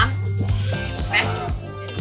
ไป